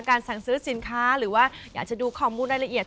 สั่งซื้อสินค้าหรือว่าอยากจะดูข้อมูลรายละเอียด